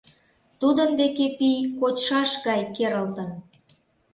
Тудын деке пий кочшаш гай керылтын.